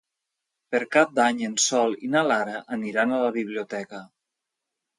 Per Cap d'Any en Sol i na Lara aniran a la biblioteca.